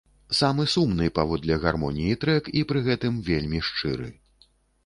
Самы сумны паводле гармоніі трэк і пры гэтым вельмі шчыры.